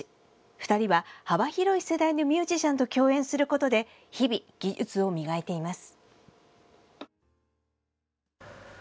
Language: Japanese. ２人は幅広い世代のミュージシャンと共演することで日々、技術を磨いています。